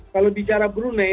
kalau bicara brunei